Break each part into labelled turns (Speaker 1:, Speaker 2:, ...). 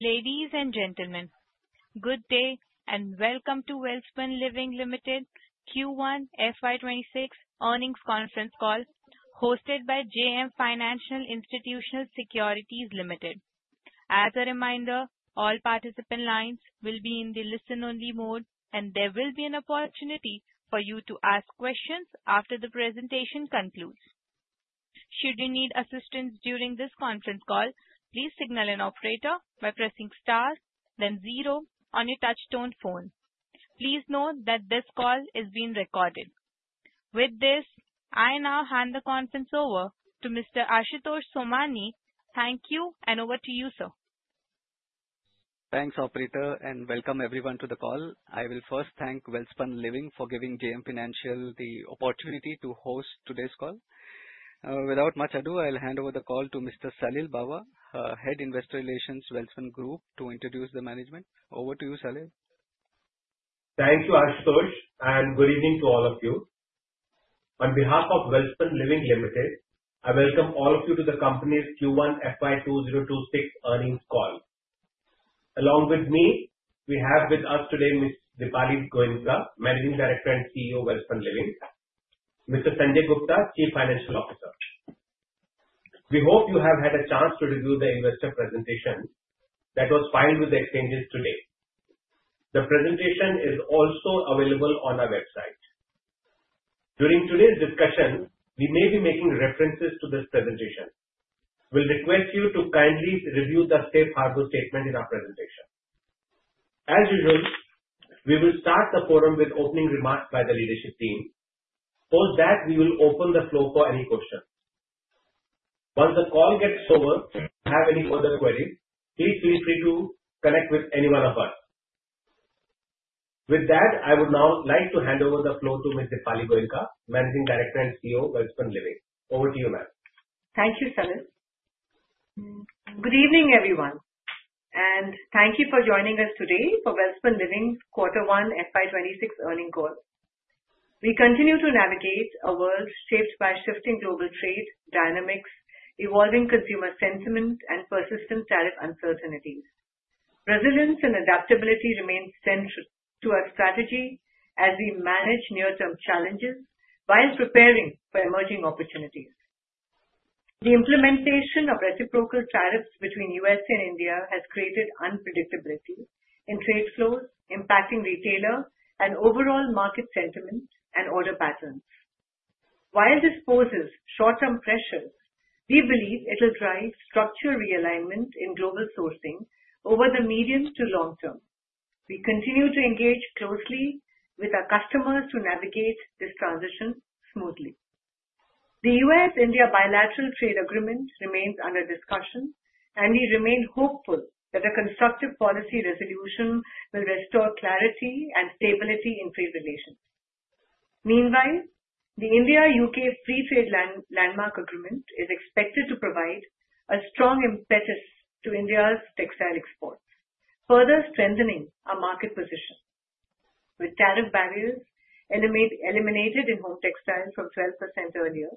Speaker 1: Ladies and gentlemen, good day and welcome to Welspun Living Ltd Q1 FY 2026 earnings conference call hosted by JM Financial Institutional Securities Ltd. As a reminder, all participant lines will be in the listen-only mode, and there will be an opportunity for you to ask questions after the presentation concludes. Should you need assistance during this conference call, please signal an operator by pressing star, then zero on your touchtone phone. Please note that this call is being recorded. With this, I now hand the conference over to Mr. Ashutosh Somani. Thank you, and over to you, sir.
Speaker 2: Thanks, Operator, and welcome everyone to the call. I will first thank Welspun Living for giving JM Financial the opportunity to host today's call. Without much ado, I'll hand over the call to Mr. Salil Bawa, Head Investor Relations, Welspun Group, to introduce the management. Over to you, Salil.
Speaker 3: Thank you, Ashutosh, and good evening to all of you. On behalf of Welspun Living Ltd, I welcome all of you to the company's Q1 FY2026 earnings call. Along with me, we have with us today Ms. Dipali Goenka, Managing Director and CEO of Welspun Living, Mr. Sanjay Gupta, Chief Financial Officer. We hope you have had a chance to review the investor presentation that was filed with the exchanges today. The presentation is also available on our website. During today's discussion, we may be making references to this presentation. We'll request you to kindly review the safe harbor statement in our presentation. As usual, we will start the forum with opening remarks by the leadership team. Post that, we will open the floor for any questions. Once the call gets over, if you have any further queries, please feel free to connect with any one of us. With that, I would now like to hand over the floor to Ms. Dipali Goenka, Managing Director and CEO of Welspun Living. Over to you, ma'am.
Speaker 4: Thank you, Salil. Good evening, everyone, and thank you for joining us today for Welspun Living's Q1 FY 2026 earnings call. We continue to navigate a world shaped by shifting global trade dynamics, evolving consumer sentiment, and persistent tariff uncertainties. Resilience and adaptability remain central to our strategy as we manage near-term challenges while preparing for emerging opportunities. The implementation of reciprocal tariffs between the U.S. and India has created unpredictability in trade flows, impacting retailer and overall market sentiment and order patterns. While this poses short-term pressures, we believe it'll drive structural realignment in global sourcing over the medium to long term. We continue to engage closely with our customers to navigate this transition smoothly. The U.S. India bilateral trade agreement remains under discussion, and we remain hopeful that a constructive policy resolution will restore clarity and stability in trade relations. Meanwhile, the India-U.K. Free Trade Agreement is expected to provide a strong impetus to India's textile exports, further strengthening our market position. With tariff barriers eliminated in home textile from 12% earlier,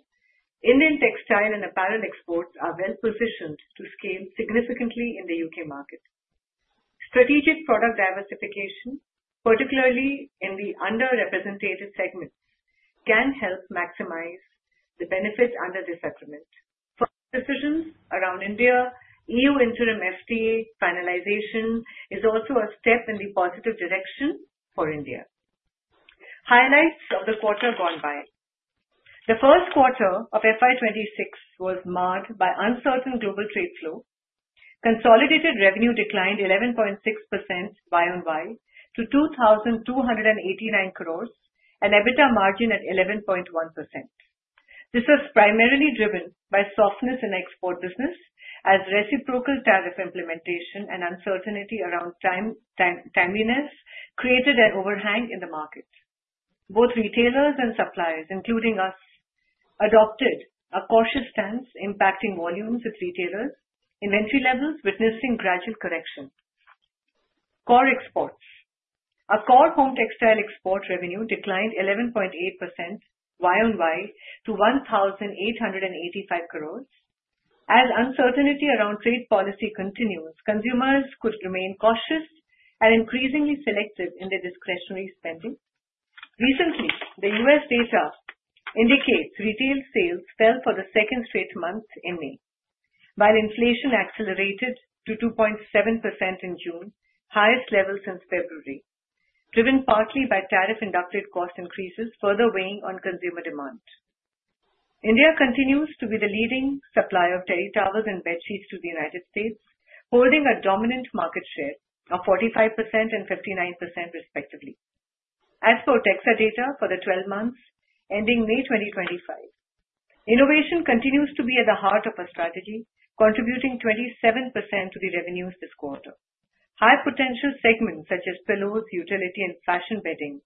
Speaker 4: Indian textile and apparel exports are well positioned to scale significantly in the U.K. market. Strategic product diversification, particularly in the underrepresented segments, can help maximize the benefits under this agreement. Decisions around India's EU interim FTA finalization are also a step in the positive direction for India. Highlights of the quarter gone by: The first quarter of FY 2026 was marred by uncertain global trade flows. Consolidated revenue declined 11.6% YoY to 2,289 crores, and EBITDA margin at 11.1%. This was primarily driven by softness in the export business, as reciprocal tariff implementation and uncertainty around timeliness created an overhang in the market. Both retailers and suppliers, including us, adopted a cautious stance, impacting volumes with retailers, inventory levels witnessing gradual correction. Core exports: Our core home textile export revenue declined 11.8% YoY to 1,885 crores. As uncertainty around trade policy continues, consumers could remain cautious and increasingly selective in their discretionary spending. Recently, the U.S. data indicates retail sales fell for the second straight month in May, while inflation accelerated to 2.7% in June, the highest level since February, driven partly by tariff-induced cost increases further weighing on consumer demand. India continues to be the leading supplier of towels and bedsheets to the United States, holding a dominant market share of 45% and 59%, respectively. As for OTEXA data for the 12 months ending May 2025, innovation continues to be at the heart of our strategy, contributing 27% to the revenues this quarter. High-potential segments such as pillows, utility, and fashion bedding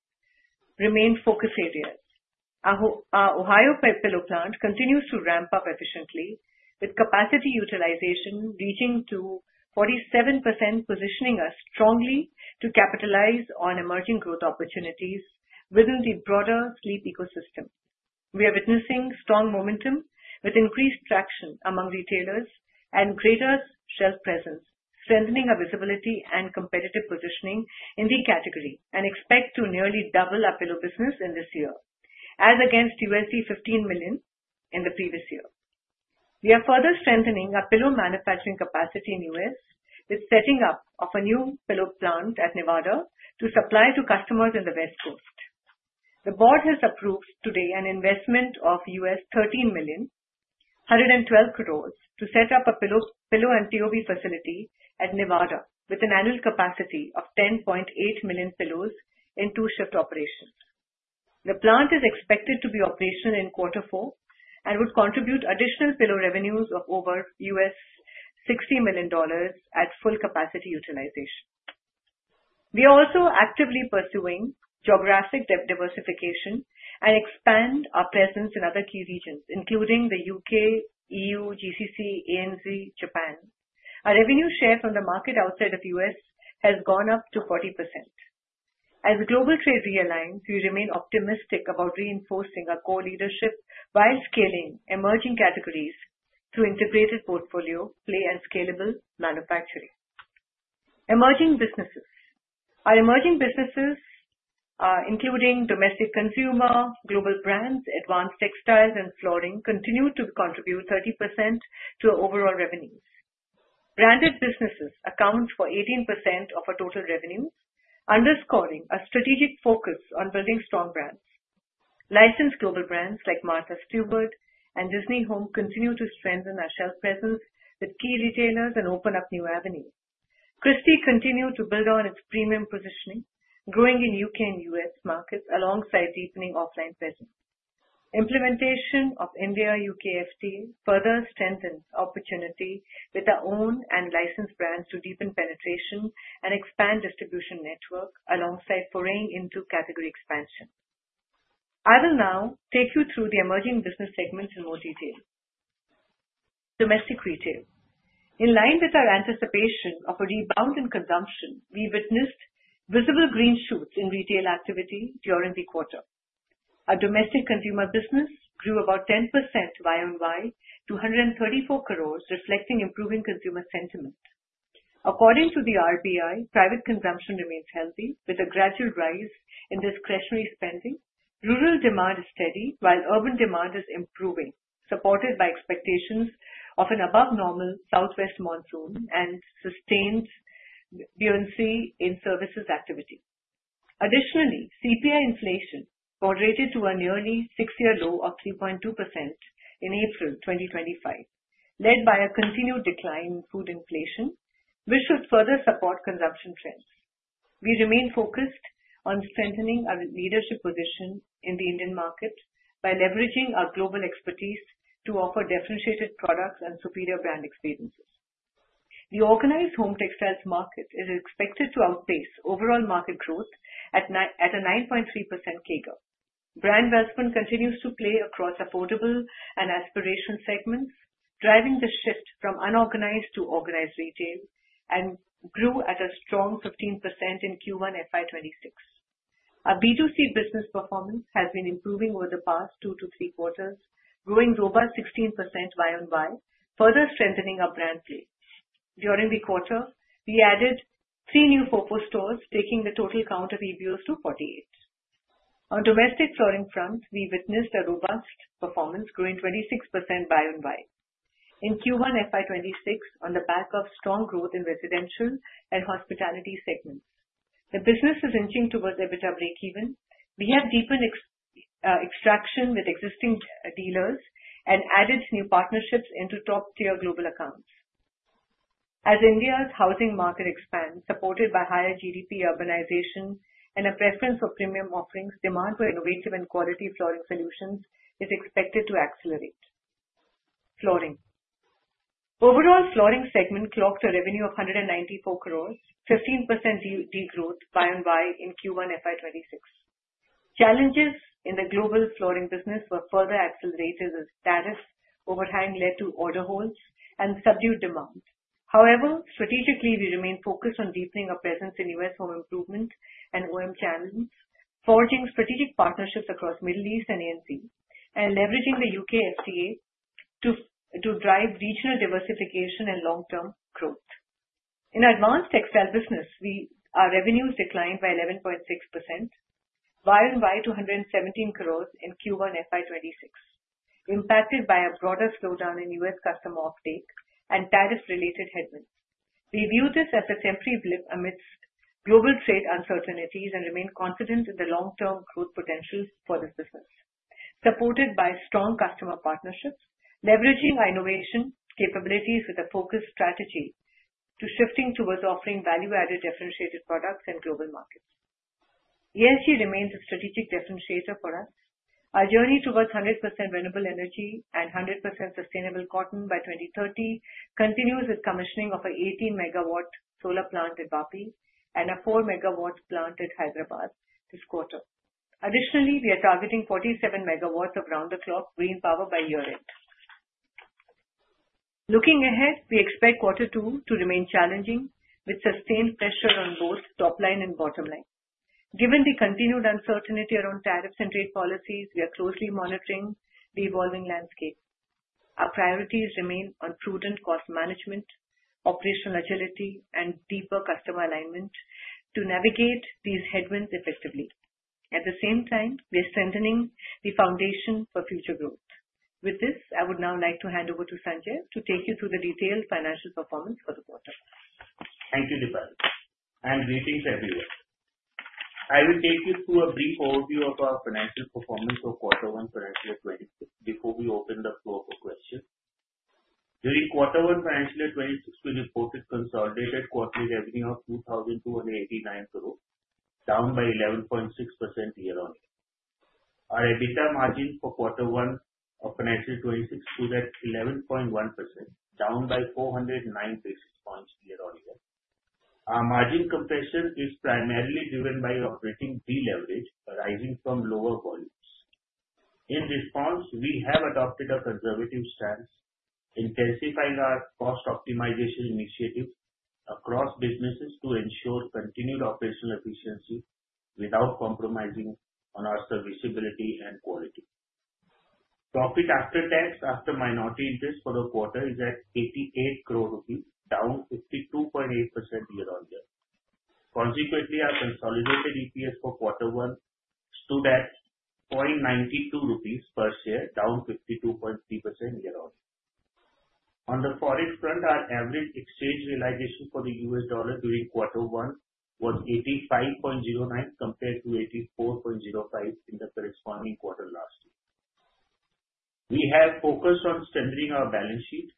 Speaker 4: remain focus areas. Our Ohio pillow plant continues to ramp up efficiently, with capacity utilization reaching 47%, positioning us strongly to capitalize on emerging growth opportunities within the broader sleep ecosystem. We are witnessing strong momentum with increased traction among retailers and greater shelf presence, strengthening our visibility and competitive positioning in the category and expect to nearly double our pillow business in this year, as against $15 million in the previous year. We are further strengthening our pillow manufacturing capacity in the U.S. with the setting up of a new pillow plant at Nevada to supply to customers in the West Coast. The board has approved today an investment of $13 million, 112 crores, to set up a pillow and TOV facility at Nevada with an annual capacity of 10.8 million pillows in two-shift operations. The plant is expected to be operational in Q4 and would contribute additional pillow revenues of over $60 million at full capacity utilization. We are also actively pursuing geographic diversification and expanding our presence in other key regions, including the U.K., EU, GCC, ANZ, and Japan. Our revenue share from the market outside of the U.S. has gone up to 40%. As global trade realigns, we remain optimistic about reinforcing our core leadership while scaling emerging categories through integrated portfolio play and scalable manufacturing. Emerging businesses: Our emerging businesses, including domestic consumer, global brands, advanced textiles, and flooring, continue to contribute 30% to overall revenues. Branded businesses account for 18% of our total revenues, underscoring our strategic focus on building strong brands. Licensed global brands like Martha Stewart and Disney Home continue to strengthen our shelf presence with key retailers and open up new avenues. Christy continues to build on its premium positioning, growing in U.K. and U.S. markets alongside deepening offline presence. Implementation of India-U.K. FTA further strengthens our opportunity with our own and licensed brands to deepen penetration and expand distribution network alongside foraying into category expansion. I will now take you through the emerging business segments in more detail. Domestic retail: In line with our anticipation of a rebound in consumption, we witnessed visible green shoots in retail activity during the quarter. Our domestic consumer business grew about 10% YoY to 134 crores, reflecting improving consumer sentiment. According to the RBI, private consumption remains healthy with a gradual rise in discretionary spending. Rural demand is steady while urban demand is improving, supported by expectations of an above-normal southwest monsoon and sustained buoyancy in services activity. Additionally, CPI inflation correlated to a nearly six-year low of 3.2% in April 2025, led by a continued decline in food inflation, which should further support consumption trends. We remain focused on strengthening our leadership position in the Indian market by leveraging our global expertise to offer differentiated products and superior brand experiences. The organized home textiles market is expected to outpace overall market growth at a 9.3% CAGR. Brand Welspun continues to play across affordable and aspiration segments, driving the shift from unorganized to organized retail and grew at a strong 15% in Q1 FY 2026. Our B2C business performance has been improving over the past two to three quarters, growing robust 16% YoY, further strengthening our brand play. During the quarter, we added three new focus stores, taking the total count of EBOs to 48. On domestic flooring front, we witnessed a robust performance, growing 26% YoY. In Q1 FY 2026, on the back of strong growth in residential and hospitality segments, the business is inching towards EBITDA break-even. We have deepened traction with existing dealers and added new partnerships into top-tier global accounts. As India's housing market expands, supported by higher GDP urbanization and a preference for premium offerings, demand for innovative and quality flooring solutions is expected to accelerate. Flooring: Overall flooring segment clocked a revenue of 194 crores, 15% degrowth YoY in Q1 FY 2026. Challenges in the global flooring business were further accelerated as tariff overhang led to order holds and subdued demand. However, strategically, we remain focused on deepening our presence in U.S. home improvement and OEM channels, forging strategic partnerships across the Middle East and ANZ, and leveraging the U.K. FTA to drive regional diversification and long-term growth. In advanced textile business, our revenues declined by 11.6% YoY to 117 crores in Q1 FY 2026, impacted by a broader slowdown in U.S. customer uptake and tariff-related headwinds. We view this as a temporary blip amidst global trade uncertainties and remain confident in the long-term growth potential for this business, supported by strong customer partnerships, leveraging our innovation capabilities with a focused strategy to shifting towards offering value-added differentiated products in global markets. ANZ remains a strategic differentiator for us. Our journey towards 100% renewable energy and 100% sustainable cotton by 2030 continues with commissioning of an 18 MW solar plant in Vapi and a 4 MW plant in Hyderabad this quarter. Additionally, we are targeting 47 MW of round-the-clock green power by year-end. Looking ahead, we expect Q2 to remain challenging with sustained pressure on both top line and bottom line. Given the continued uncertainty around tariffs and trade policies, we are closely monitoring the evolving landscape. Our priorities remain on prudent cost management, operational agility, and deeper customer alignment to navigate these headwinds effectively. At the same time, we are strengthening the foundation for future growth. With this, I would now like to hand over to Sanjay to take you through the detailed financial performance for the quarter.
Speaker 5: Thank you, Dipali, and greetings everyone. I will take you through a brief overview of our financial performance for Q1 FY 2026 before we open the floor for questions. During Q1 FY 2026, we reported consolidated quarterly revenue of 2,289 crores, down by 11.6% year-on-year. Our EBITDA margin for Q1 FY 2026 was at 11.1%, down by 409 basis points year-on-year. Our margin compression is primarily driven by operating deleveraging arising from lower volumes. In response, we have adopted a conservative stance, intensifying our cost optimization initiative across businesses to ensure continued operational efficiency without compromising on our serviceability and quality. Profit after tax after minority interest for the quarter is at 88 crores rupees, down 52.8% year-on-year. Consequently, our consolidated EPS for Q1 stood at 0.92 rupees per share, down 52.3% year-on-year. On the foreign front, our average exchange realization for the US dollar during Q1 was 85.09 compared to 84.05 in the corresponding quarter last year. We have focused on strengthening our balance sheet.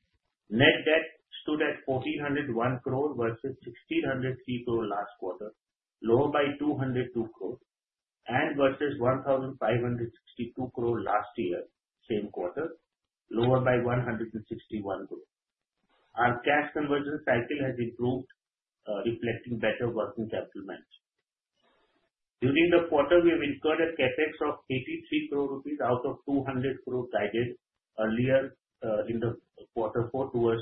Speaker 5: Net debt stood at 1,401 crores versus 1,603 crores last quarter, lower by 202 crores, and versus 1,562 crores last year, same quarter, lower by 161 crores. Our cash conversion cycle has improved, reflecting better working capital management. During the quarter, we have incurred a capex of 83 crores out of 200 crores guided earlier in Q4 towards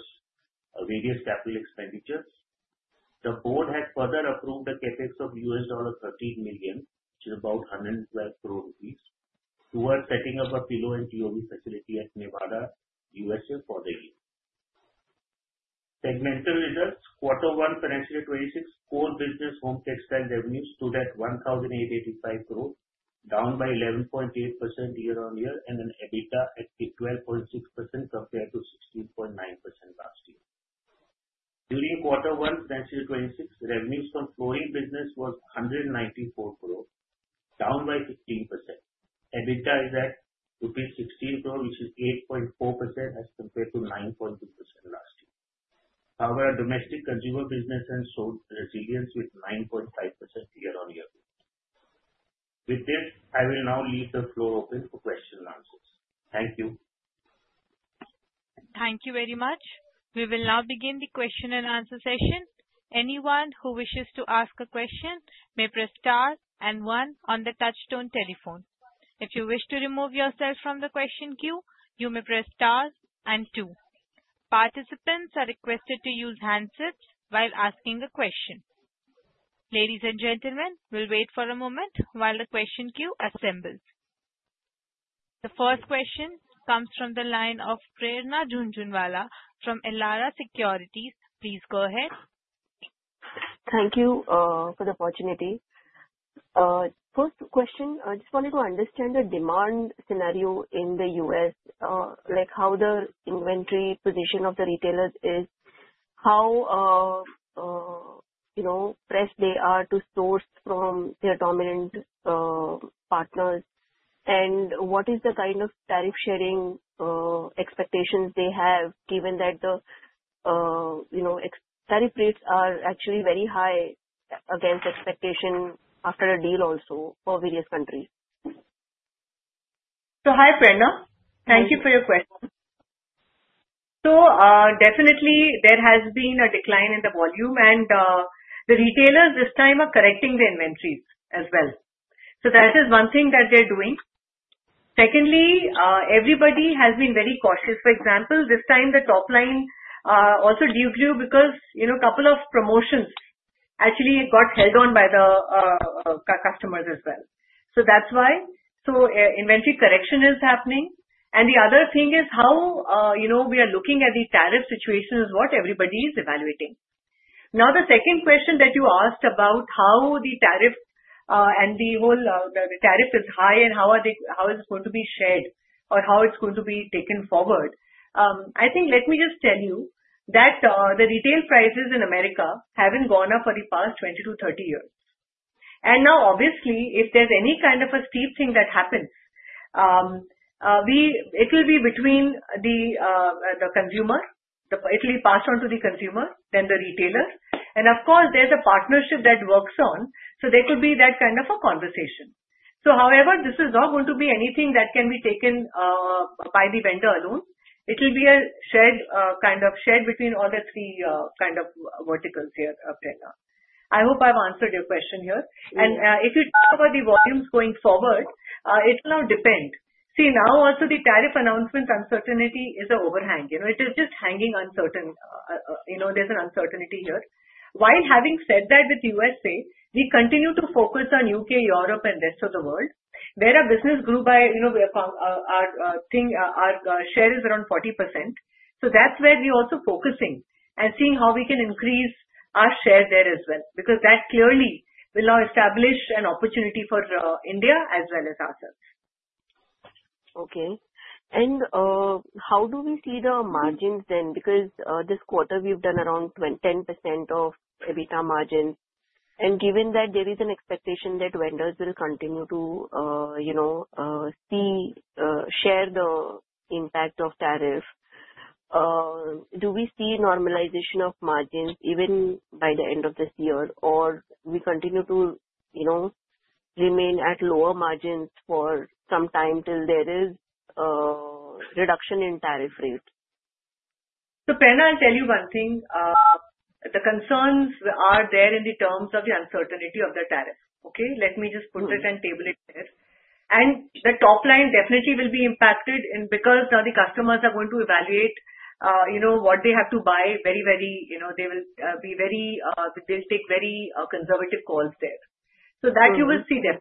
Speaker 5: various capital expenditures. The board has further approved a CapEx of $13 million, which is about 112 crores rupees, towards setting up a pillow and TOV facility at Nevada, USA for the year. Segmental results: Q1 FY 2026, core business home textile revenues stood at 1,885 crores, down by 11.8% year-on-year, and an EBITDA at 12.6% compared to 16.9% last year. During Q1 FY 2026, revenues from flooring business were 194 crores, down by 15%. EBITDA is at rupees 16 crores, which is 8.4% as compared to 9.2% last year. However, our domestic consumer business has showed resilience with 9.5% year-on-year. With this, I will now leave the floor open for questions and answers. Thank you.
Speaker 1: Thank you very much. We will now begin the question and answer session. Anyone who wishes to ask a question may press stars and one on the touchstone telephone. If you wish to remove yourself from the question queue, you may press stars and two. Participants are requested to use handsets while asking a question. Ladies and gentlemen, we'll wait for a moment while the question queue assembles. The first question comes from the line of Prerna Jhunjhunwala from Elara Securities. Please go ahead.
Speaker 6: Thank you for the opportunity. First question, I just wanted to understand the demand scenario in the U.S., like how the inventory position of the retailers is, how pressed they are to source from their dominant partners, and what is the kind of tariff-sharing expectations they have, given that the tariff rates are actually very high against expectation after a deal also for various countries.
Speaker 4: So, hi, Prerna. Thank you for your question. So definitely, there has been a decline in the volume, and the retailers this time are correcting the inventories as well. So that is one thing that they're doing. Secondly, everybody has been very cautious. For example, this time, the top line also de-grew because a couple of promotions actually got held back by the customers as well. So that's why inventory correction is happening. And the other thing is how we are looking at the tariff situation is what everybody is evaluating. Now, the second question that you asked about how the tariff and the whole tariff is high and how is it going to be shared or how it's going to be taken forward, I think let me just tell you that the retail prices in America haven't gone up for the past 20 to 30 years. And now, obviously, if there's any kind of a steep thing that happens, it will be between the consumer. It will be passed on to the consumer, then the retailer. And of course, there's a partnership that works on, so there could be that kind of a conversation. So however, this is not going to be anything that can be taken by the vendor alone. It will be a shared kind of shared between all the three kind of verticals here, Prerna. I hope I've answered your question here. And if you talk about the volumes going forward, it will now depend. See, now also the tariff announcement uncertainty is an overhang. It is just hanging uncertain. There's an uncertainty here. While having said that with U.S., we continue to focus on U.K., Europe, and the rest of the world, where our business grew by our share is around 40%. So that's where we're also focusing and seeing how we can increase our share there as well because that clearly will now establish an opportunity for India as well as ourselves.
Speaker 6: Okay. And how do we see the margins then? Because this quarter, we've done around 10% of EBITDA margins. And given that there is an expectation that vendors will continue to share the impact of tariff, do we see normalization of margins even by the end of this year, or we continue to remain at lower margins for some time till there is a reduction in tariff rates?
Speaker 4: Prerna, I'll tell you one thing. The concerns are there in terms of the uncertainty of the tariff. Okay? Let me just put it on the table there. And the top line definitely will be impacted because now the customers are going to evaluate what they have to buy very, very they will be very they'll take very conservative calls there. So that you will see there.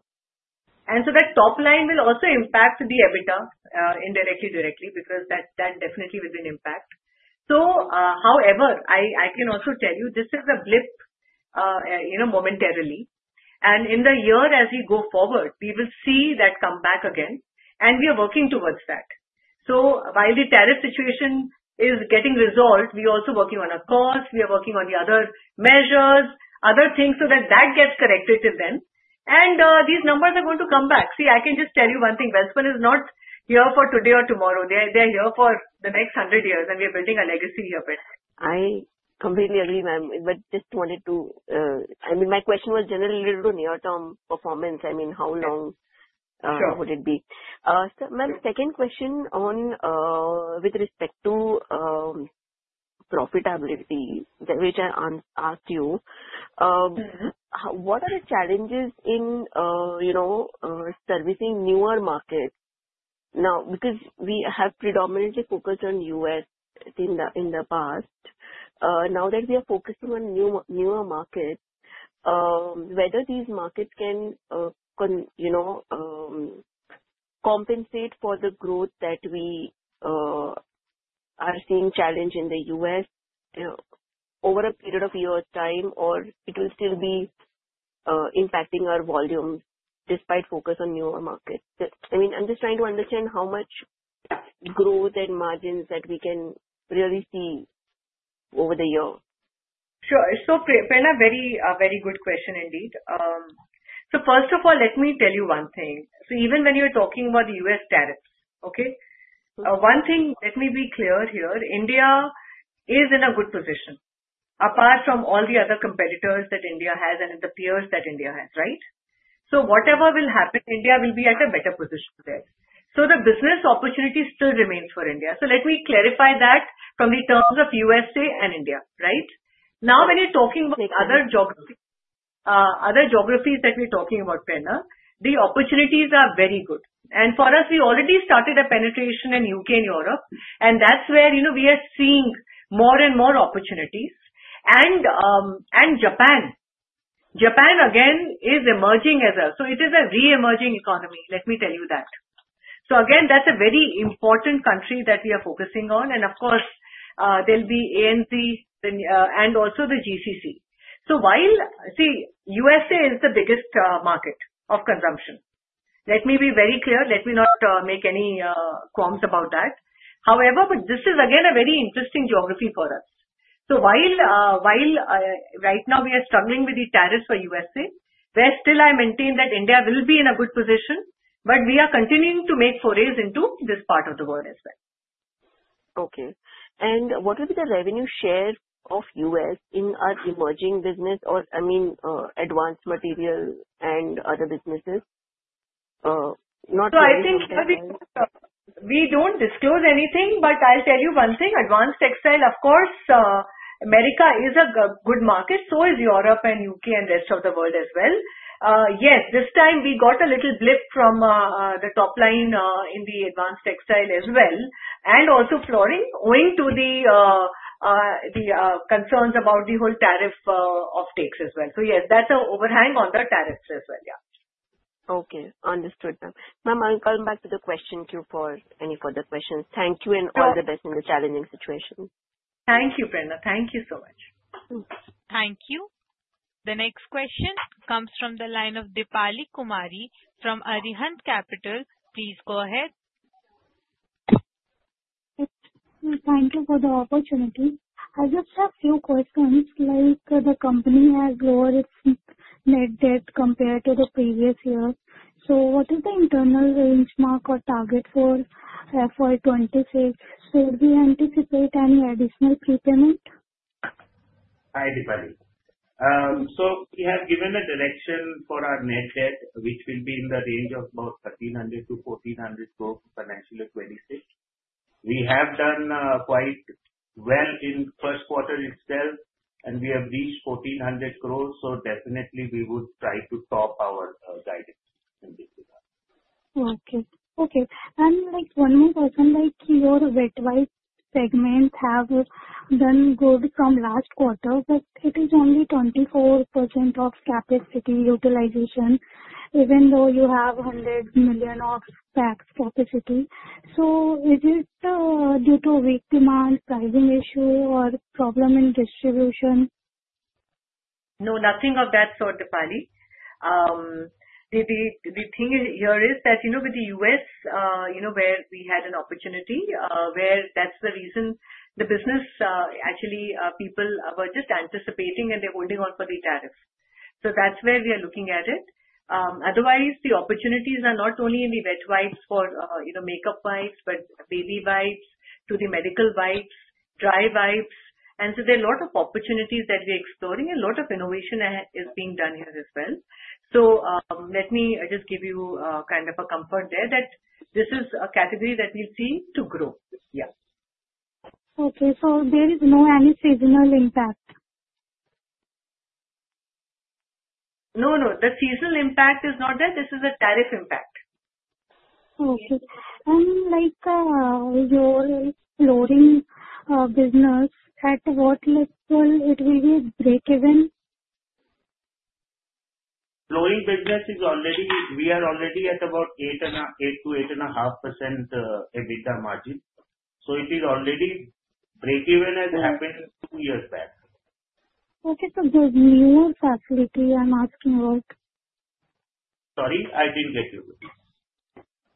Speaker 4: And so that top line will also impact the EBITDA indirectly, directly because that definitely will be an impact. So however, I can also tell you this is a blip momentarily. And in the year, as we go forward, we will see that come back again. And we are working towards that. So while the tariff situation is getting resolved, we are also working on our costs. We are working on the other measures, other things so that that gets corrected to them, and these numbers are going to come back. See, I can just tell you one thing. Welspun is not here for today or tomorrow. They're here for the next 100 years, and we are building a legacy here for.
Speaker 6: I completely agree, ma'am, but just wanted to I mean, my question was generally a little near-term performance. I mean, how long would it be?
Speaker 4: Sure.
Speaker 6: Ma'am, second question with respect to profitability, which I asked you, what are the challenges in servicing newer markets? Now, because we have predominantly focused on U.S. in the past, now that we are focusing on newer markets, whether these markets can compensate for the growth that we are seeing challenge in the U.S. over a period of years' time, or it will still be impacting our volumes despite focus on newer markets? I mean, I'm just trying to understand how much growth and margins that we can really see over the year.
Speaker 4: Sure. So Prerna, very good question indeed. So first of all, let me tell you one thing. So even when you're talking about the U.S. tariffs, okay, one thing, let me be clear here, India is in a good position apart from all the other competitors that India has and the peers that India has, right? So whatever will happen, India will be at a better position there. So the business opportunity still remains for India. So let me clarify that from the terms of USA and India, right? Now, when you're talking about other geographies that we're talking about, Prerna, the opportunities are very good. And for us, we already started a penetration in U.K. and Europe, and that's where we are seeing more and more opportunities. And Japan, Japan again is emerging as well. So it is a re-emerging economy, let me tell you that. So again, that's a very important country that we are focusing on. And of course, there'll be ANZ and also the GCC. So see, USA is the biggest market of consumption. Let me be very clear. Let me not make any qualms about that. However, this is again a very interesting geography for us. So while right now we are struggling with the tariffs for USA, where still I maintain that India will be in a good position, but we are continuing to make forays into this part of the world as well.
Speaker 6: Okay, and what will be the revenue share of U.S. in our emerging business or, I mean, advanced textiles and other businesses? Not.
Speaker 4: So I think we don't disclose anything, but I'll tell you one thing. Advanced textiles, of course, America is a good market. So is Europe and U.K. and the rest of the world as well. Yes, this time we got a little blip from the top line in the advanced textiles as well and also flooring, owing to the concerns about the whole tariff upticks as well. So yes, that's an overhang on the tariffs as well, yeah.
Speaker 6: Okay. Understood, ma'am. Ma'am, I'll come back to the question queue for any further questions. Thank you and all the best in the challenging situation.
Speaker 4: Thank you, Prerna. Thank you so much.
Speaker 1: Thank you. The next question comes from the line of Dipali Kumari from Arihant Capital. Please go ahead.
Speaker 7: Thank you for the opportunity. I just have a few questions. The company has lowered its net debt compared to the previous year. So what is the internal benchmark or target for FY 2026? So we anticipate any additional prepayment?
Speaker 5: Hi, Dipali. So we have given a direction for our net debt, which will be in the range of about 1,300 to 1,400 crores financial year 2026. We have done quite well in the first quarter itself, and we have reached 1,400 crores. So definitely, we would try to top our guidance in this regard.
Speaker 7: One more question. Your wet wipe segment has done good from last quarter, but it is only 24% of capacity utilization, even though you have 100 million packs capacity. So is it due to weak demand, pricing issue, or problem in distribution?
Speaker 4: No, nothing of that sort, Dipali. The thing here is that with the U.S., where we had an opportunity, that's the reason the business actually people were just anticipating, and they're holding on for the tariffs. So that's where we are looking at it. Otherwise, the opportunities are not only in the wet wipes for makeup wipes, but baby wipes, to the medical wipes, dry wipes. And so there are a lot of opportunities that we're exploring, and a lot of innovation is being done here as well. So let me just give you kind of a comfort there that this is a category that we'll see to grow. Yeah.
Speaker 7: Okay. So there is no any seasonal impact?
Speaker 4: No, no. The seasonal impact is not there. This is a tariff impact.
Speaker 7: Okay, and your flooring business, at what level it will be break-even?
Speaker 5: Flooring business is already. We are already at about 8% to 8.5% EBITDA margin, so it is already break-even as happened two years back.
Speaker 7: Okay, so the new facility I'm asking about?
Speaker 5: Sorry? I didn't get you.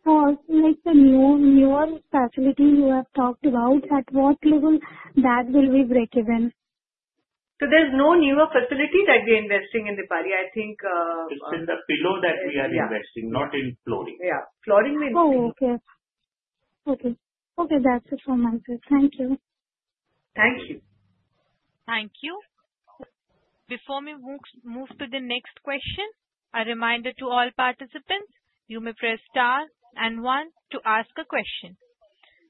Speaker 7: Oh, the newer facility you have talked about, at what level that will be break-even?
Speaker 4: So there's no newer facility that we're investing in, Dipali. I think.
Speaker 5: It's in the pillow that we are investing, not in flooring.
Speaker 4: Yeah. Flooring means pillow.
Speaker 7: Oh, okay. That's it from my side. Thank you.
Speaker 4: Thank you.
Speaker 1: Thank you. Before we move to the next question, a reminder to all participants, you may press star and one to ask a question.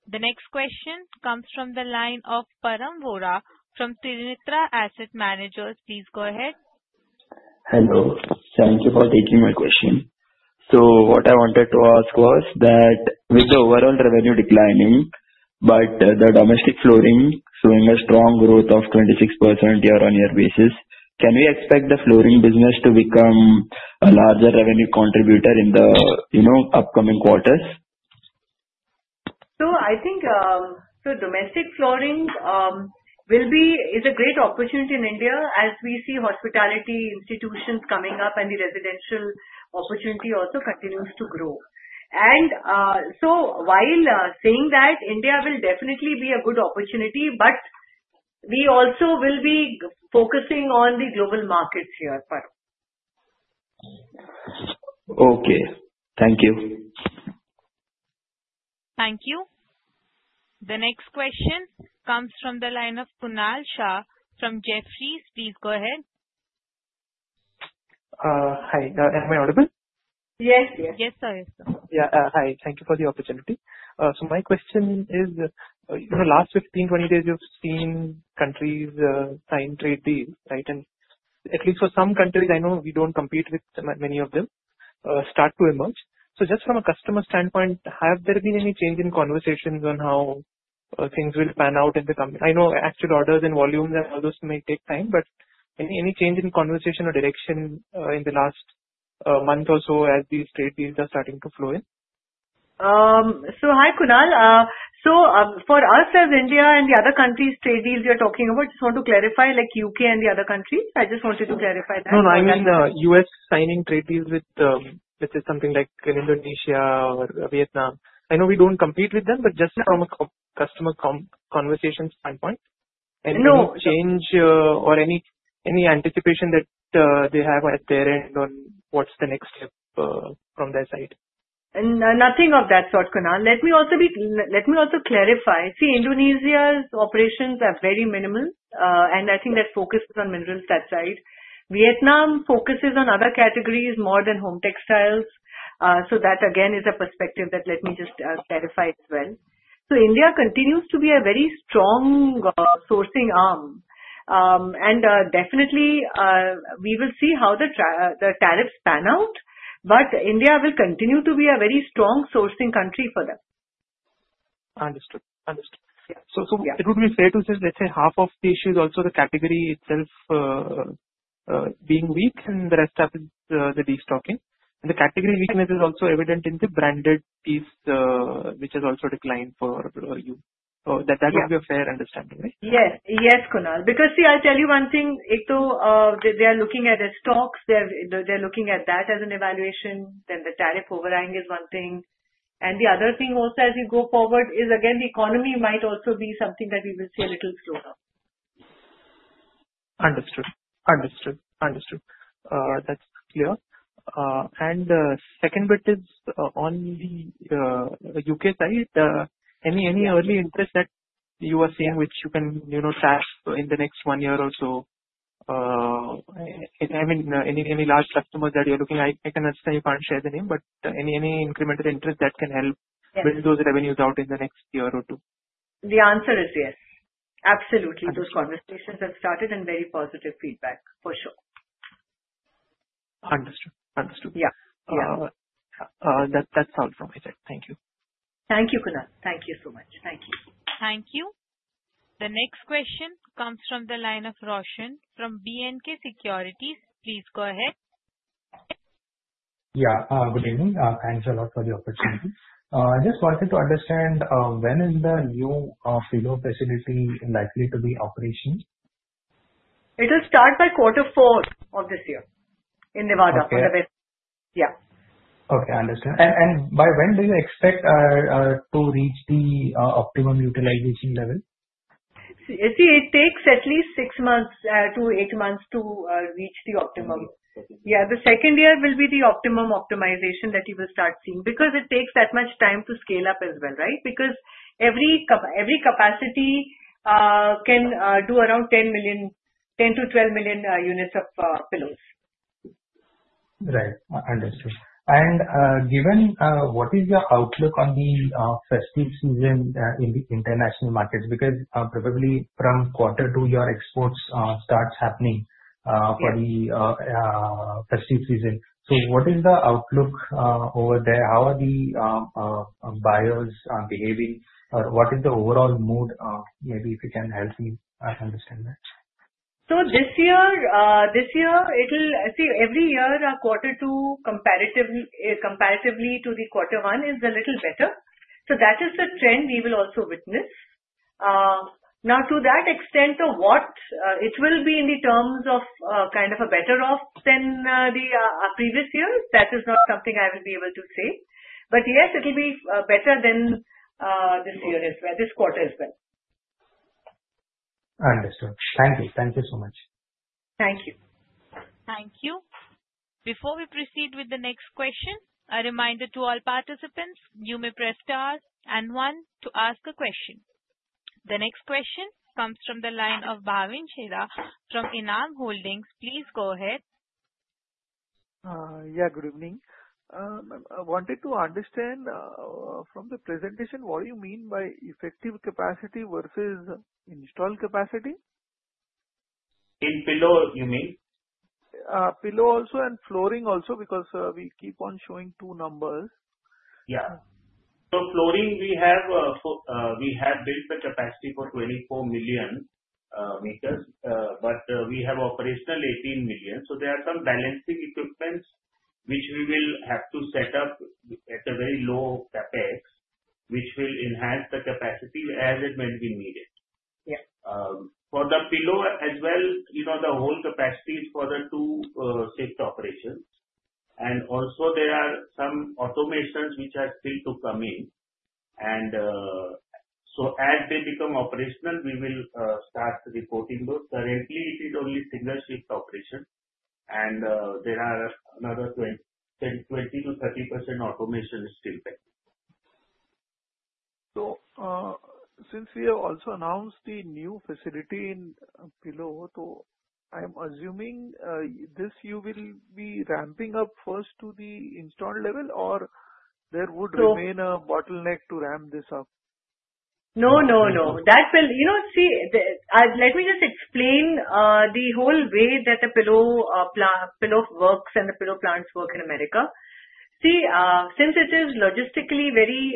Speaker 1: The next question comes from the line of Param Vora from Trinetra Asset Managers. Please go ahead.
Speaker 8: Hello. Thank you for taking my question. So what I wanted to ask was that with the overall revenue declining, but the domestic flooring showing a strong growth of 26% year-on-year basis, can we expect the flooring business to become a larger revenue contributor in the upcoming quarters?
Speaker 4: So I think domestic flooring is a great opportunity in India as we see hospitality institutions coming up and the residential opportunity also continues to grow, and so while saying that, India will definitely be a good opportunity, but we also will be focusing on the global markets here, Param.
Speaker 8: Okay. Thank you.
Speaker 1: Thank you. The next question comes from the line of Kunal Shah from Jefferies. Please go ahead.
Speaker 9: Hi. Am I audible?
Speaker 4: Yes, yes.
Speaker 1: Yes, sir. Yes, sir.
Speaker 9: Yeah. Hi. Thank you for the opportunity. So my question is, in the last 15, 20 days, you've seen countries sign trade deals, right? And at least for some countries, I know we don't compete with many of them, start to emerge. So just from a customer standpoint, have there been any change in conversations on how things will pan out in the company? I know actual orders and volumes and all those may take time, but any change in conversation or direction in the last month or so as these trade deals are starting to flow in?
Speaker 4: So, hi, Kunal. So for us as India and the other countries, trade deals we are talking about, just want to clarify, like U.K. and the other countries? I just wanted to clarify that.
Speaker 9: No, no. I mean U.S. signing trade deals with, let's say, something like Indonesia or Vietnam. I know we don't compete with them, but just from a customer conversation standpoint, any change or any anticipation that they have at their end on what's the next step from their side?
Speaker 4: Nothing of that sort, Kunal. Let me also clarify. See, Indonesia's operations are very minimal, and I think that focuses on minerals that side. Vietnam focuses on other categories more than home textiles. So that, again, is a perspective that let me just clarify as well. So India continues to be a very strong sourcing arm, and definitely, we will see how the tariffs pan out, but India will continue to be a very strong sourcing country for them.
Speaker 9: Understood. Understood. So it would be fair to say, let's say, half of the issue is also the category itself being weak, and the rest of it is the restocking. And the category weakness is also evident in the branded piece, which has also declined for you. That would be a fair understanding, right?
Speaker 4: Yes. Yes, Kunal. Because, see, I'll tell you one thing. They are looking at their stocks. They're looking at that as an evaluation. Then the tariff overhang is one thing, and the other thing also, as we go forward, is again, the economy might also be something that we will see a little slower.
Speaker 9: Understood. That's clear. And the second bit is on the U.K. side, any early interest that you are seeing, which you can track in the next one year or so, I mean, any large customers that you're looking at, I can understand you can't share the name, but any incremental interest that can help build those revenues out in the next year or two?
Speaker 4: The answer is yes. Absolutely. Those conversations have started and very positive feedback, for sure.
Speaker 9: Understood. Understood.
Speaker 4: Yeah. Yeah.
Speaker 9: That's all from my side. Thank you.
Speaker 4: Thank you, Kunal. Thank you so much. Thank you.
Speaker 1: Thank you. The next question comes from the line of Roshan from B&K Securities. Please go ahead.
Speaker 10: Yeah. Good evening. Thanks a lot for the opportunity. I just wanted to understand when is the new freedom facility likely to be operational?
Speaker 4: It will start by quarter four of this year in Nevada.
Speaker 10: Okay.
Speaker 4: Yeah.
Speaker 10: Okay. Understood, and by when do you expect to reach the optimum utilization level?
Speaker 4: See, it takes at least six months to eight months to reach the optimum. Yeah. The second year will be the optimum optimization that you will start seeing because it takes that much time to scale up as well, right? Because every capacity can do around 10-12 million units of pillows.
Speaker 10: Right. Understood. And given what is your outlook on the festive season in the international markets? Because probably from quarter two, your exports start happening for the festive season. So what is the outlook over there? How are the buyers behaving? What is the overall mood? Maybe if you can help me understand that.
Speaker 4: This year, it will see, every year, quarter two comparatively to the quarter one is a little better. That is the trend we will also witness. Now, to that extent of what it will be in the terms of kind of a better off than the previous year, that is not something I will be able to say. But yes, it will be better than this year as well, this quarter as well.
Speaker 10: Understood. Thank you. Thank you so much.
Speaker 4: Thank you.
Speaker 1: Thank you. Before we proceed with the next question, a reminder to all participants, you may press star and one to ask a question. The next question comes from the line of Bhavin Chheda from ENAM Holdings. Please go ahead.
Speaker 11: Yeah. Good evening. I wanted to understand from the presentation, what do you mean by effective capacity versus installed capacity?
Speaker 5: In pillow, you mean?
Speaker 11: Pillows also and flooring also because we keep on showing two numbers.
Speaker 5: Yeah. So, flooring, we have built the capacity for 24 million meters, but we have operational 18 million. So, there are some balancing equipment which we will have to set up at a very low CapEx, which will enhance the capacity as it may be needed. For the pillow as well, the whole capacity is for the two-shift operations. And also, there are some automations which are still to come in. And so as they become operational, we will start reporting those. Currently, it is only single-shift operation, and there are another 20% to 30% automation still pending.
Speaker 11: So since we have also announced the new facility in pillow, so I'm assuming this you will be ramping up first to the installed level, or there would remain a bottleneck to ramp this up?
Speaker 4: No, no, no. You know what? See, let me just explain the whole way that the pillow works and the pillow plants work in America. See, since it is logistically very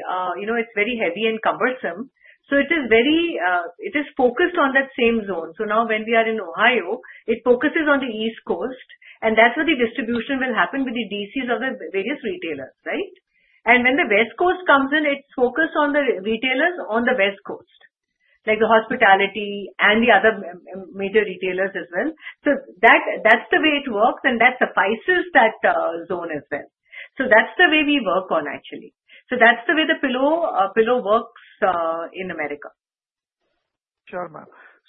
Speaker 4: heavy and cumbersome, so it is focused on that same zone. So now when we are in Ohio, it focuses on the East Coast, and that's where the distribution will happen with the DCs of the various retailers, right? And when the West Coast comes in, it's focused on the retailers on the West Coast, like the hospitality and the other major retailers as well. So that's the way it works, and that suffices that zone as well. So that's the way we work on, actually. So that's the way the pillow works in America.
Speaker 9: Sure,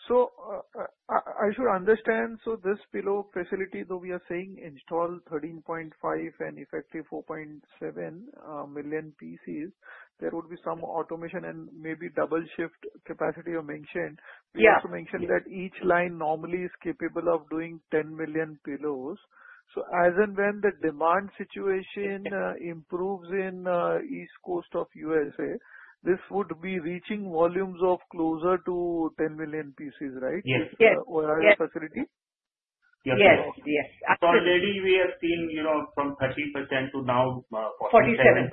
Speaker 9: so I should understand, so this pillow facility, though we are saying installed 13.5 and effective 4.7 million pieces, there would be some automation and maybe double-shift capacity you mentioned. You also mentioned that each line normally is capable of doing 10 million pillows, so as and when the demand situation improves in East Coast of USA, this would be reaching volumes of closer to 10 million pieces, right?
Speaker 4: Yes. Yes. Yes.
Speaker 11: Or other facility?
Speaker 4: Yes. Yes. Yes.
Speaker 11: Already, we have seen from 30% to now 47%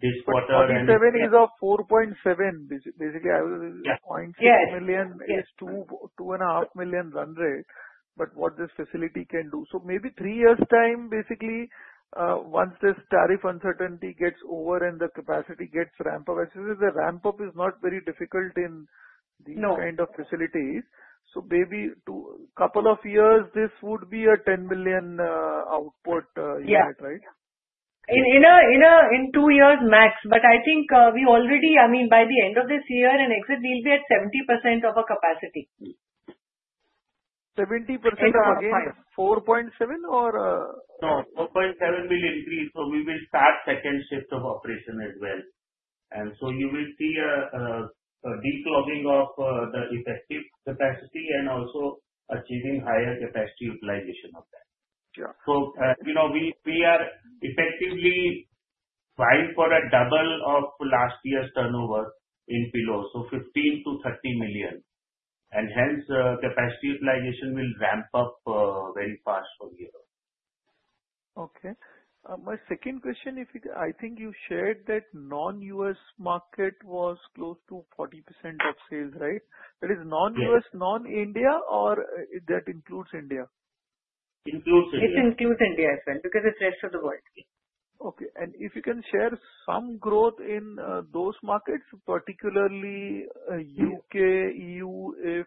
Speaker 11: this quarter.
Speaker 5: 47 is of 4.7. Basically, I would say.
Speaker 4: Yes.
Speaker 11: 0.7 million is 2.5 million run rate, but what this facility can do. Maybe three years' time, basically, once this tariff uncertainty gets over and the capacity gets ramped up, as you said, the ramp-up is not very difficult in these kind of facilities. Maybe a couple of years, this would be a 10 million output unit, right?
Speaker 4: Yeah. In two years, max. But I think we already, I mean, by the end of this year and exit, we'll be at 70% of our capacity.
Speaker 11: 70% of again? 4.7 or?
Speaker 5: No. 4.7 will increase. So we will start second shift of operation as well. And so you will see a deep logging of the effective capacity and also achieving higher capacity utilization of that. So we are effectively vying for a double of last year's turnover in pillows, so $15 to $30 million. And hence, capacity utilization will ramp up very fast for the year.
Speaker 11: Okay. My second question, I think you shared that non-US market was close to 40% of sales, right? That is non-US, non-India, or that includes India?
Speaker 5: Includes India.
Speaker 4: It includes India as well because it's rest of the world.
Speaker 11: Okay. And if you can share some growth in those markets, particularly U.K., EU, if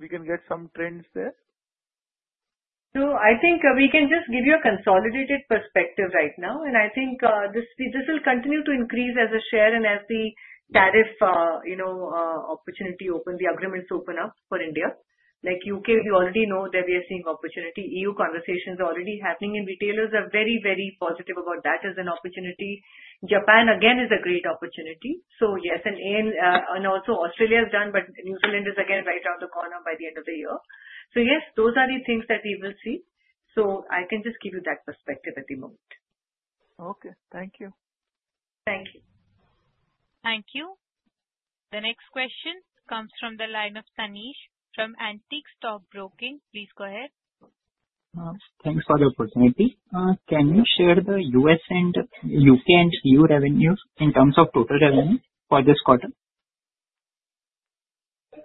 Speaker 11: we can get some trends there?
Speaker 4: So I think we can just give you a consolidated perspective right now. And I think this will continue to increase as the share and as the tariff opportunity opens, the agreements open up for India. Like U.K., we already know that we are seeing opportunity. E.U. conversations are already happening, and retailers are very, very positive about that as an opportunity. Japan, again, is a great opportunity. So yes. And also Australia is done, but New Zealand is again right around the corner by the end of the year. So yes, those are the things that we will see. So I can just give you that perspective at the moment.
Speaker 5: Okay. Thank you.
Speaker 4: Thank you.
Speaker 1: Thank you. The next question comes from the line of Tanish from Antique Stock Broking. Please go ahead.
Speaker 12: Thanks for the opportunity. Can you share the U.S. and U.K. and E.U. revenues in terms of total revenue for this quarter?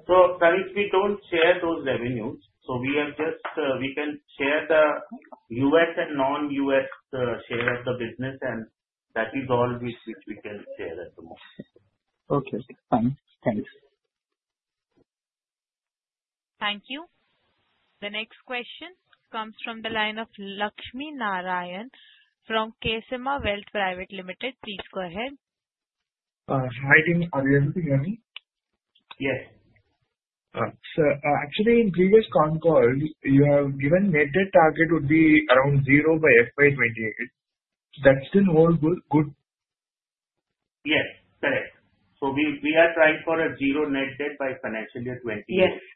Speaker 5: So Tanish, we don't share those revenues. So we can share the U.S. and non-U.S. share of the business, and that is all which we can share at the moment.
Speaker 12: Okay. Thanks. Thanks.
Speaker 1: Thank you. The next question comes from the line of Lakshmi Narayan from Ksema Wealth Private Limited. Please go ahead.
Speaker 13: Hi, team. Are you able to hear me?
Speaker 5: Yes.
Speaker 13: Actually, in previous con calls, you have given Net Debt target would be around zero by FY28. That's still hold good?
Speaker 5: Yes. Correct, so we are trying for a zero net debt by financial year 28, which is three years.
Speaker 4: Yeah.
Speaker 13: Yeah. Okay,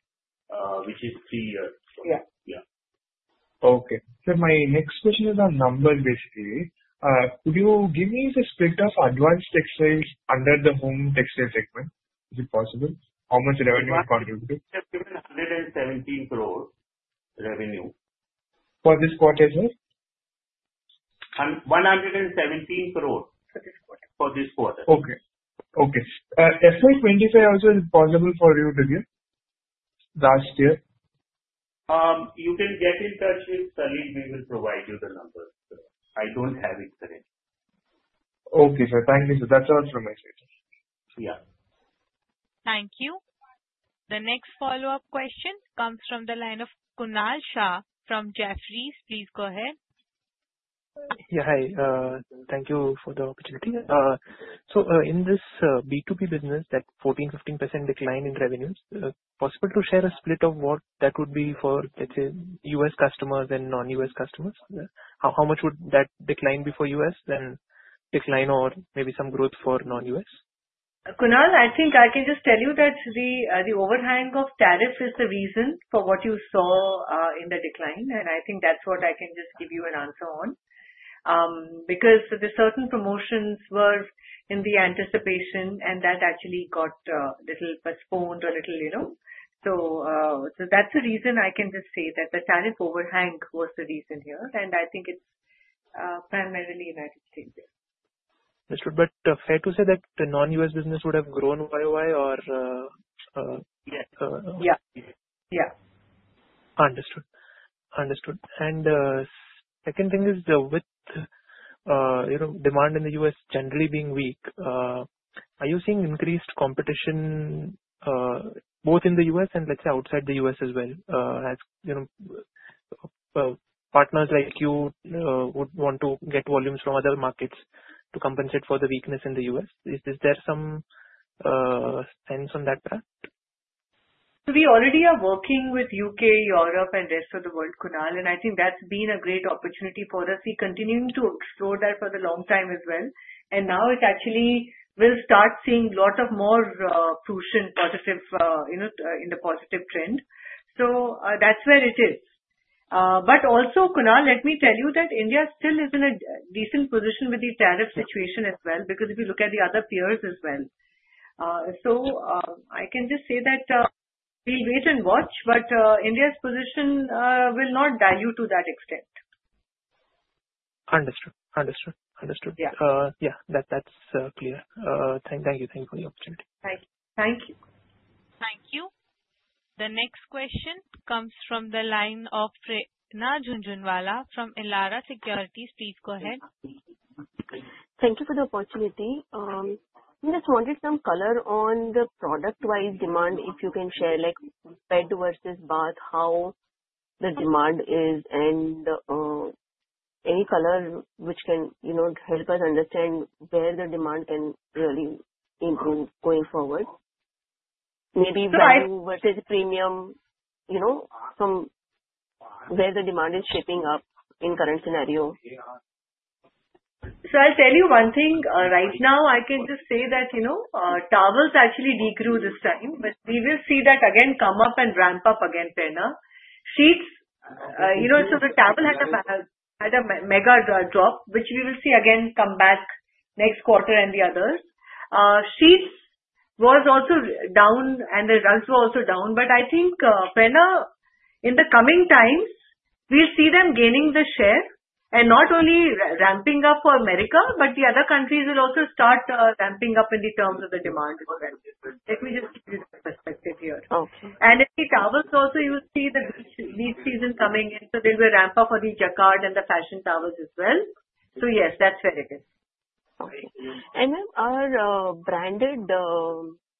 Speaker 13: so my next question is on numbers, basically. Could you give me the split of advanced textiles under the home textile segment? Is it possible? How much revenue are you contributing?
Speaker 5: Just given 117 crore revenue.
Speaker 13: For this quarter, sir?
Speaker 5: 117 crore for this quarter. Okay. FY 25, how is it possible for you to give last year? You can get in touch with Salil. We will provide you the numbers. I don't have it currently.
Speaker 13: Okay, sir. Thank you, sir. That's all from my side.
Speaker 5: Yeah.
Speaker 1: Thank you. The next follow-up question comes from the line of Kunal Shah from Jefferies. Please go ahead.
Speaker 9: Yeah. Hi. Thank you for the opportunity. So in this B2B business, that 14%-15% decline in revenues, possible to share a split of what that would be for, let's say, U.S. customers and non-U.S. customers? How much would that decline be for U.S. and decline or maybe some growth for non-U.S.?
Speaker 4: Kunal, I think I can just tell you that the overhang of tariff is the reason for what you saw in the decline, and I think that's what I can just give you an answer on because the certain promotions were in the anticipation, and that actually got a little postponed or a little so that's the reason I can just say that the tariff overhang was the reason here, and I think it's primarily United States.
Speaker 9: But fair to say that the non-US business would have grown YOY or?
Speaker 4: Yeah. Yeah. Yeah.
Speaker 9: Understood. Understood. And second thing is with demand in the U.S. generally being weak, are you seeing increased competition both in the U.S. and, let's say, outside the U.S. as well as partners like you would want to get volumes from other markets to compensate for the weakness in the U.S.? Is there some sense on that path?
Speaker 4: So we already are working with U.K., Europe, and rest of the world, Kunal. And I think that's been a great opportunity for us. We continue to explore that for the long time as well. And now it actually will start seeing a lot of more push in the positive trend. So that's where it is. But also, Kunal, let me tell you that India still is in a decent position with the tariff situation as well because if you look at the other peers as well. So I can just say that we'll wait and watch, but India's position will not dilute to that extent.
Speaker 9: Understood. Yeah. That's clear. Thank you for the opportunity.
Speaker 4: Thank you.
Speaker 1: Thank you. The next question comes from the line of Prerna Jhunjhunwala from Elara Securities. Please go ahead.
Speaker 6: Thank you for the opportunity. We just wanted some color on the product-wise demand, if you can share, like bed versus bath, how the demand is, and any color which can help us understand where the demand can really improve going forward. Maybe value versus premium, where the demand is shaping up in current scenario.
Speaker 4: So I'll tell you one thing. Right now, I can just say that towels actually degrew this time, but we will see that again come up and ramp up again, Prerna. Sheets, so the towel had a mega drop, which we will see again come back next quarter and the others. Sheets was also down, and the rugs were also down. But I think, Prerna, in the coming times, we'll see them gaining the share and not only ramping up for America, but the other countries will also start ramping up in the terms of the demand. Let me just give you the perspective here. And in the towels also, you'll see the beach season coming in, so they will ramp up for the Jacquard and the fashion towels as well. So yes, that's where it is.
Speaker 6: Okay. And then our branded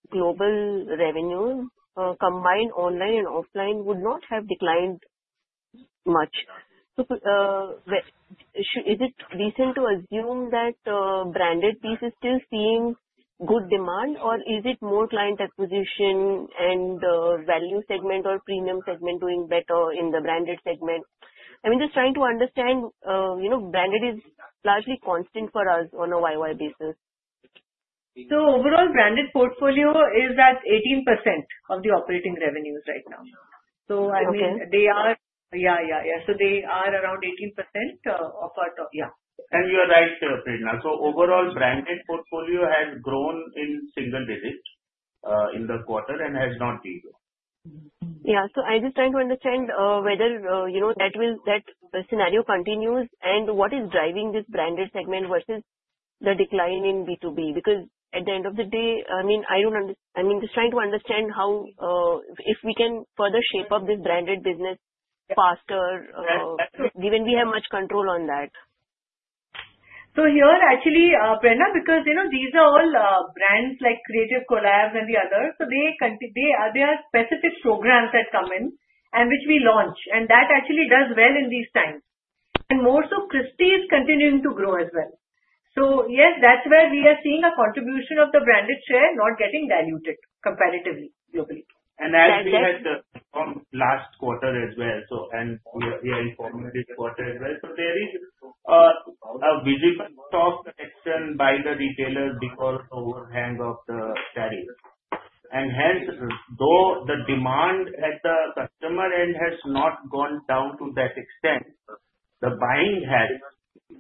Speaker 6: global revenue combined online and offline would not have declined much. Is it reason to assume that branded pieces are still seeing good demand, or is it more client acquisition and value segment or premium segment doing better in the branded segment? I mean, just trying to understand, branded is largely constant for us on a YOY basis. So overall, branded portfolio is at 18% of the operating revenues right now. So I mean, they are. So they are around 18% of our.
Speaker 5: You are right, Pranav. Overall, branded portfolio has grown in single digits in the quarter and has not decreased.
Speaker 6: I'm just trying to understand whether that scenario continues and what is driving this branded segment versus the decline in B2B because at the end of the day, I mean, I don't understand. I mean, just trying to understand how if we can further shape up this branded business faster, given we have much control on that.
Speaker 4: So here, actually, Pranav, because these are all brands like Creative Co-Op and the others, so they are specific programs that come in and which we launch, and that actually does well in these times. And more so, Christy’s continuing to grow as well. So yes, that’s where we are seeing a contribution of the branded share not getting diluted comparatively globally.
Speaker 5: And as we had last quarter as well, and we are informed this quarter as well, so there is a visible soft connection by the retailers because of the overhang of the tariff. And hence, though the demand at the customer end has not gone down to that extent, the buying has.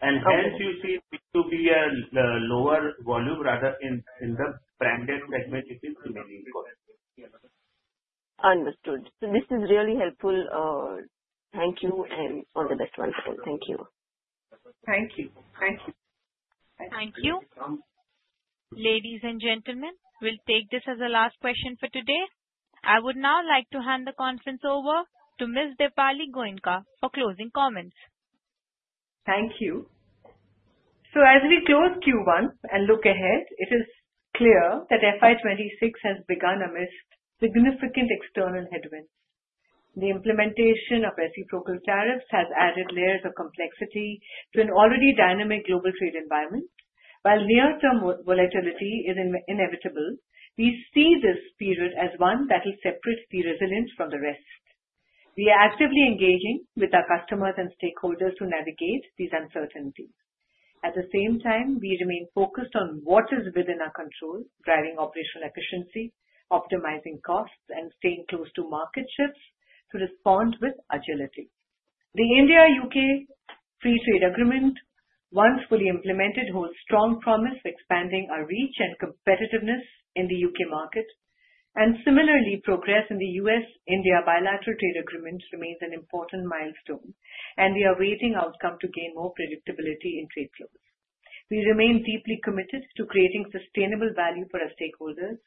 Speaker 5: And hence, you see it to be a lower volume rather in the branded segment, which is remaining good.
Speaker 6: Understood. So this is really helpful. Thank you. And for the best one. Thank you.
Speaker 4: Thank you. Thank you.
Speaker 1: Thank you. Ladies and gentlemen, we'll take this as the last question for today. I would now like to hand the conference over to Ms. Dipali Goenka for closing comments.
Speaker 4: Thank you. As we close Q1 and look ahead, it is clear that FY 2026 has begun amidst significant external headwinds. The implementation of reciprocal tariffs has added layers of complexity to an already dynamic global trade environment. While near-term volatility is inevitable, we see this period as one that will separate the resilience from the rest. We are actively engaging with our customers and stakeholders to navigate these uncertainties. At the same time, we remain focused on what is within our control, driving operational efficiency, optimizing costs, and staying close to market shifts to respond with agility. The India-U.K. free trade agreement, once fully implemented, holds strong promise for expanding our reach and competitiveness in the U.K. market. Similarly, progress in the U.S.-India bilateral trade agreement remains an important milestone, and we are awaiting the outcome to gain more predictability in trade flows. We remain deeply committed to creating sustainable value for our stakeholders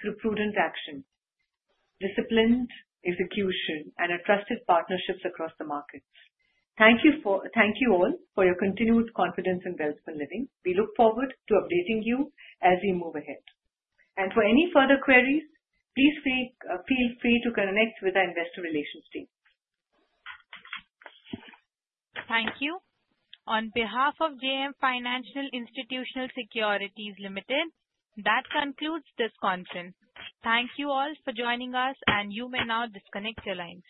Speaker 4: through prudent action, disciplined execution, and trusted partnerships across the markets. Thank you all for your continued confidence in Welspun Living. We look forward to updating you as we move ahead, and for any further queries, please feel free to connect with our investor relations team.
Speaker 1: Thank you. On behalf of JM Financial Institutional Securities Ltd, that concludes this conference. Thank you all for joining us, and you may now disconnect your lines.